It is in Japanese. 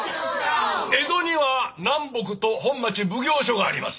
江戸には南北と本町奉行所があります